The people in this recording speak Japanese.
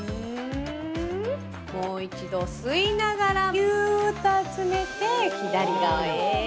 もう一度吸いながら、ぎゅーっと集めて、左側へ。